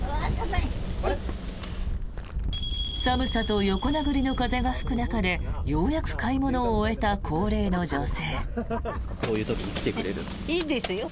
寒さと横殴りの風が吹く中でようやく買い物を終えた高齢の女性。